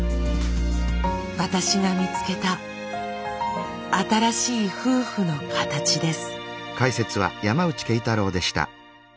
私が見つけた新しい夫婦の形です。